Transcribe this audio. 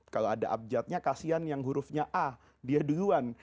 kalau ada abjadnya kasihan yang hurufnya a dia duluan